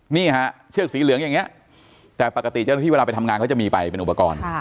นี่ฮะเชือกสีเหลืองอย่างนี้แต่ปกติเจ้าหน้าที่เวลาไปทำงานเขาจะมีไปเป็นอุปกรณ์